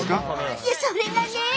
いやそれがね